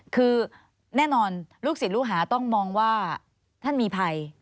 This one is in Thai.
คือแน่นอนลูกศิษย์ลูกหาต้องมองว่าท่านมีภัย